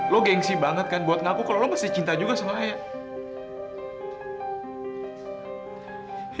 lo gengsi banget kan buat ngaku kalau lo pasti cinta juga sama ayah